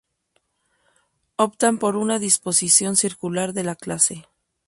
Optan por una disposición circular de la clase.